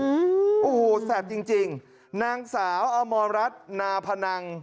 โอ้โฮแสบจริงนางสาวอมรรณรัฐนาพนัง